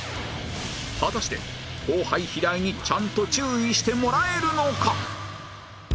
果たして後輩平井にちゃんと注意してもらえるのか？